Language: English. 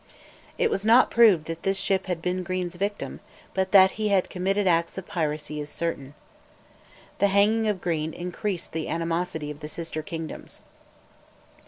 It was not proved that this ship had been Green's victim, but that he had committed acts of piracy is certain. The hanging of Green increased the animosity of the sister kingdoms.